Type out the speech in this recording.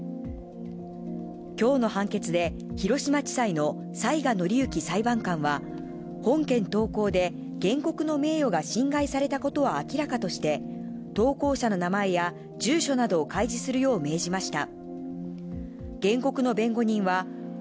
きょうの判決で、広島地裁の財賀理行裁判官は、本件投稿で原告の名誉が侵害されたことは明らかとして、投稿者の名前や住所などを開示するよう命じました。